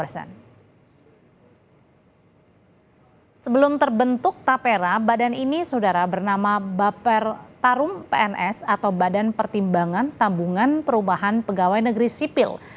sebelum terbentuk tapera badan ini saudara bernama baper tarum pns atau badan pertimbangan tabungan perubahan pegawai negeri sipil